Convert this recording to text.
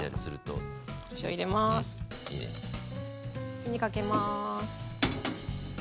火にかけます。